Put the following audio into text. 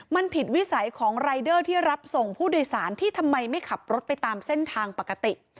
มันผิดวิสัยของรายเดอร์ที่รับส่งผู้โดยสารที่ทำไมไม่ขับรถไปตามเส้นทางปกติ